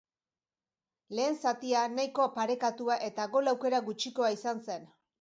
Lehen zatia nahiko parekatua eta gol aukera gutxikoa izan zen.